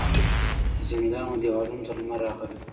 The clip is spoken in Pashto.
د زندان و دیوالونو ته لمر راغلی